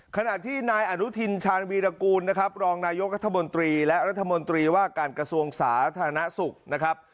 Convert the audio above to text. ขณะที่นายอนุทินชาญวีรกูลนะครับรองนายกรัฐมนตรีและรัฐมนตรีว่าการกระทรวงสาธารณสุขนะครับ